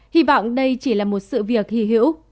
hy vọng đây chỉ là một sự việc hy hữu